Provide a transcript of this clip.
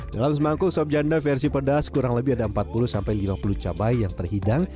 dalam semangkuk sop janda versi pedas kurang lebih ada empat puluh lima puluh cabai yang terhidang